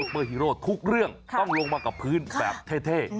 เปอร์ฮีโร่ทุกเรื่องต้องลงมากับพื้นแบบเท่